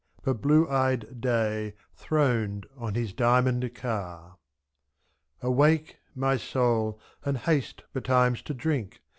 But blue eyed day throned on his diamond car. 21 Awake! my soul, and haste betimes to drink.